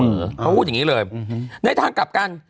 เขาพูดอย่างนี้เลยในทางกลับกัน